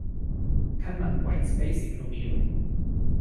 Kann man Whitespace ignorieren?